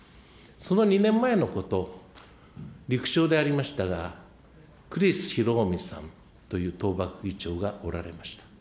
その２年前のこと、陸将でありましたが、くりすひろおみさんという統幕議長がおられました。